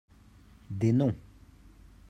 Des noms